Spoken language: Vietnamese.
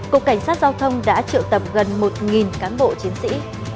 cục cảnh sát giao thông đã triệu tập gần một cán bộ chiến sĩ